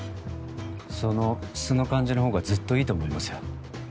その素の感じのほうがずっといいと思いますよ。